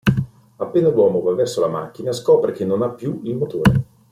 Appena l'uomo va verso la macchina, scopre che non ha più il motore.